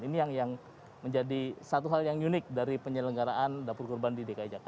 ini yang menjadi satu hal yang unik dari penyelenggaraan dapur kurban di dki jakarta